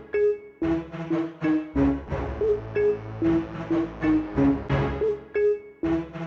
kadang kadang tentang kesehatan dari pekerjaan ma